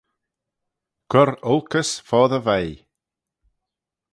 Cur olkys foddey veih.